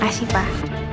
terima kasih pak